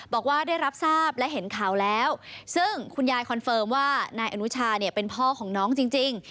บอกว่าได้รับทราบและเห็นข่าวแล้วซึ่งคุณยายคอนเฟิร์มว่านายอนุชาเนี่ยเป็นพ่อของน้องจริง